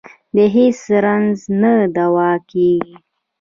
د هېڅ رنځ نه دوا کېږي.